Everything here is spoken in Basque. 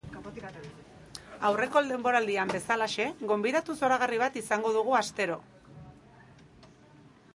Aurreko denboraldian bezalaxe, gonbidatu zoragarri bat izango dugu astero.